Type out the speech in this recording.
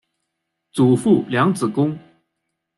祖父梁子恭。